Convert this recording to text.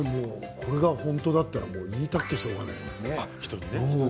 これ本当だったら言いたくてしょうがないね。